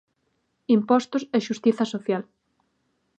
Impostos e xustiza social.